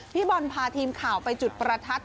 พี่บอลพาทีมข่าวไปจุดประทัด